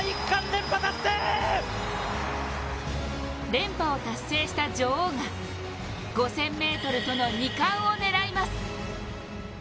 連覇を達成した女王が５０００ｍとの２冠を狙います。